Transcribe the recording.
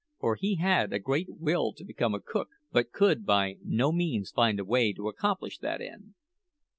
For he had a great will to become a cook, but could by no means find a way to accomplish that end.